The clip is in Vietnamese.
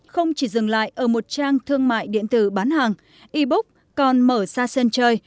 không chỉ dừng lại ở một trang thương mại điện tử bán hàng ebook còn mở ra sân chơi